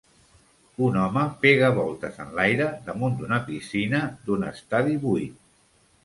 Un home pega voltes en l'aire damunt d'una piscina d'un estadi buit.